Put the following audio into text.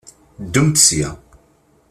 Ddumt sya!